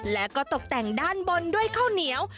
และก็ตกแต่งด้านบนด้วยข้าวเหนียว